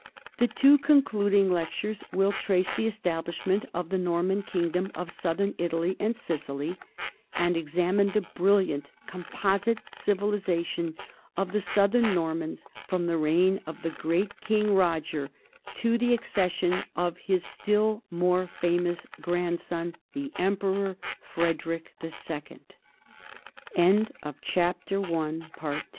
The two concluding lectures will trace the establishment of the Norman kingdom of southern Italy and Sicily, and examine the brilliant composite civilization of the southern Normans from the reign of the great King Roger to the accession of his still more famous grandson, the Emperor Frederick II. BIBLIOG